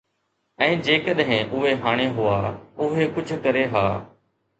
۽ جيڪڏهن اهي هاڻي هئا، اهي ڪجهه ڪري ها.